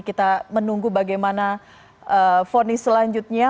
kita menunggu bagaimana fonis selanjutnya